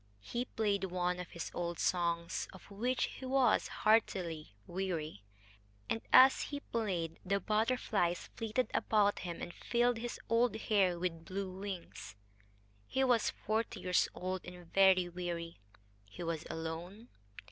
He played one of his old songs, of which he was heartily weary, and, as he played, the butterflies flitted about him and filled his old hair with blue wings. He was forty years old and very weary. He was alone.